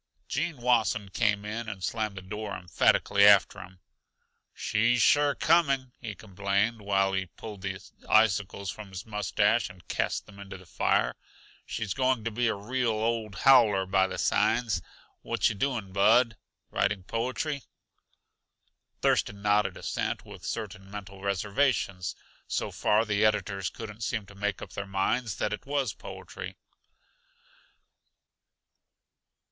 Gene Wasson came in and slammed the door emphatically shut after him. "She's sure coming," he complained, while he pulled the icicles from his mustache and cast them into the fire. "She's going to be a real, old howler by the signs. What yuh doing, Bud? Writing poetry?" Thurston nodded assent with certain mental reservations; so far the editors couldn't seem to make up their minds that it was poetry.